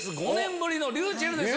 ｒｙｕｃｈｅｌｌです。